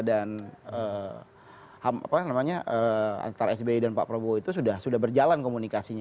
dan apa namanya antara sbe dan pak prabowo itu sudah berjalan komunikasinya